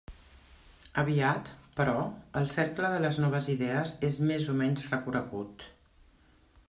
Aviat, però, el cercle de les noves idees és més o menys recorregut.